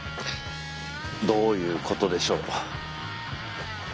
どういうことでしょう。